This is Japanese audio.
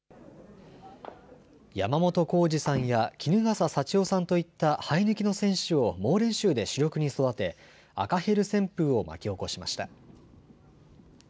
山本浩二さんや衣笠祥雄さんといった生え抜きの選手を猛練習で主力に育て赤ヘル旋風を巻き起こしました。